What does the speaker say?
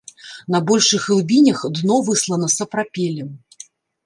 На большых глыбінях дно выслана сапрапелем.